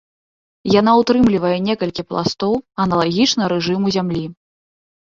Яна ўтрымлівае некалькі пластоў, аналагічна рэжыму зямлі.